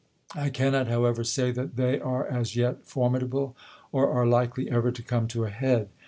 I cannot, however, say that they are as yet for midable, or are likely ever to come to a head.